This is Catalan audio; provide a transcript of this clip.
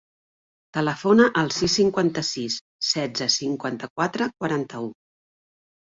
Telefona al sis, cinquanta-sis, setze, cinquanta-quatre, quaranta-u.